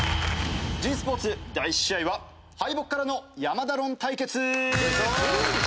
ｇスポーツ第１試合は「敗北からの山田論」対決！